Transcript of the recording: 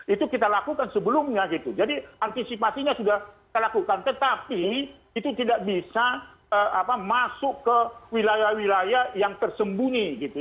itu kita lakukan sebelumnya gitu jadi antisipasinya sudah kita lakukan tetapi itu tidak bisa masuk ke wilayah wilayah yang tersembunyi gitu